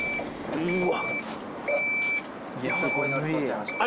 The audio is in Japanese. うわ。